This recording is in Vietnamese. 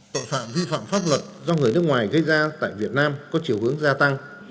tội phạm vi phạm pháp luật do người nước ngoài gây ra tại việt nam có chiều hướng gia tăng